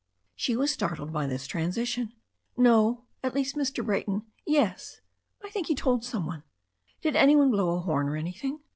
She was startled by this transition. "No — ^at least Mr. Brayton — ^yes, I think he told somo one." "Did anybody blow a horn or anything?"